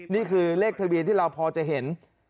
นี่คือเลขทะเบียนที่เราพอจะเห็น